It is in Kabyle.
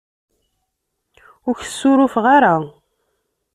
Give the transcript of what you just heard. Ur ak-ssurufeɣ ara.